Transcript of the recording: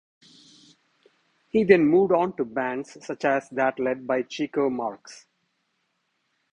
He then moved on to bands such as that led by Chico Marx.